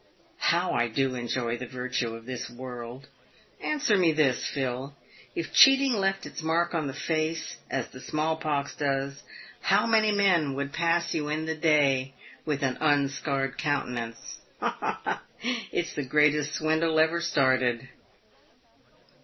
How I do enjoy the virtue of this world. Answer me this, Phil: if cheating left its mark on the face, as the small pox does, how many men would pass you in the day with an unscarred countenance ? Ha, ha ! it's the greatest swindle ever started."